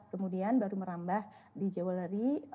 kemudian baru merambah di jewellery